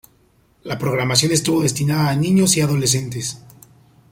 La programación estuvo destinado a niños y adolescentes.